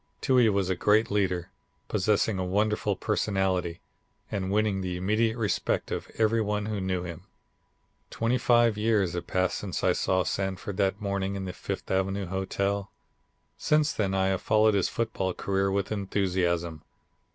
Toohey was a great leader, possessing a wonderful personality, and winning the immediate respect of every one who knew him." Twenty five years have passed since I saw Sanford that morning in the Fifth Avenue Hotel. Since then I have followed his football career with enthusiasm.